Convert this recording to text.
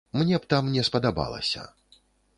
Мне б там не спадабалася.